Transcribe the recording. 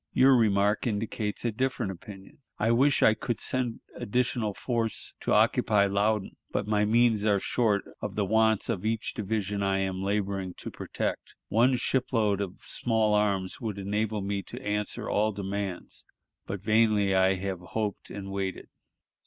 Your remark indicates a different opinion.... I wish I could send additional force to occupy Loudon, but my means are short of the wants of each division I am laboring to protect. One ship load of small arms would enable me to answer all demands, but vainly have I hoped and waited."